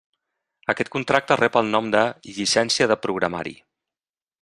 Aquest contracte rep el nom de “llicència de programari”.